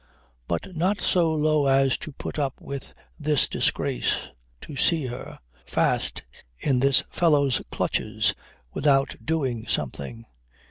"But not so low as to put up with this disgrace, to see her, fast in this fellow's clutches, without doing something.